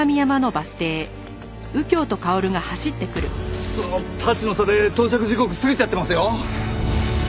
クソッタッチの差で到着時刻過ぎちゃってますよ。